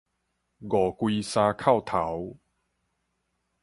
五跪三叩頭